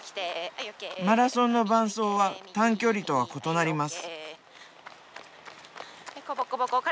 マラソンの伴走は短距離とは異なります。